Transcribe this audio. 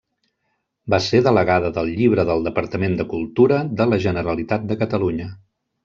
Va ser delegada del Llibre del Departament de Cultura de la Generalitat de Catalunya.